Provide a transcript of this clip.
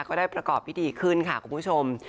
ก็ได้ประกอบพิธีขึ้นค่ะคุณผู้ชม